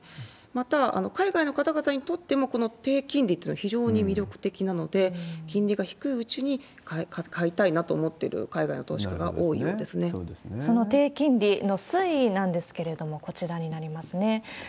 また、海外の方々にとっても、この低金利というのは非常に魅力的なので、金利が低いうちに買いたいなと思ってる海外の投資家が多いようでその低金利の推移なんですけれども、こちらになりますね。